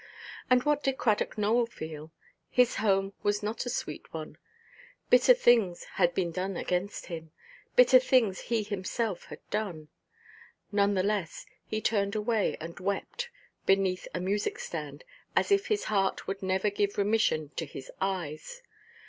And what did Cradock Nowell feel? His home was not a sweet one; bitter things had been done against him; bitter things he himself had done. None the less, he turned away and wept beneath a music–stand, as if his heart would never give remission to his eyes.